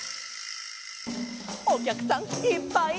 「おきゃくさんいっぱいや」